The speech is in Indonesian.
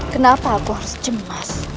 kenapa aku harus cemas